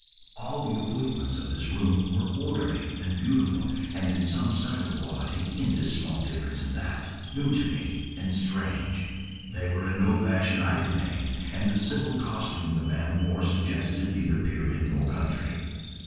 All the appointments of this room were orderly and beautiful, and in some subtle quality, in this small difference and that, new to me and strange. They were in no fashion I could name, and the simple costume the man wore suggested neither period nor country.